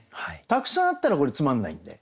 たくさんあったらこれつまんないんで。